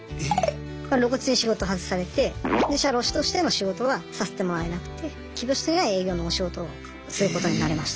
露骨に仕事外されてで社労士としての仕事はさせてもらえなくて希望してない営業のお仕事をすることになりました。